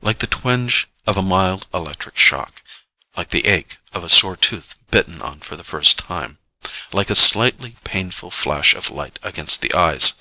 Like the twinge of a mild electric shock. Like the ache of a sore tooth bitten on for the first time. Like a slightly painful flash of light against the eyes.